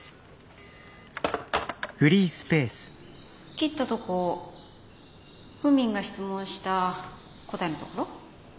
切ったとこフーミンが質問した答えのところ？